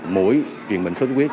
mũi truyền bệnh sốt khuyết